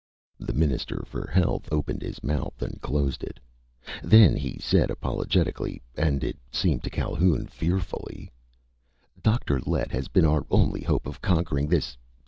The Minister for Health opened his mouth and closed it. Then he said apologetically and it seemed to Calhoun fearfully: "Dr. Lett has been our only hope of conquering this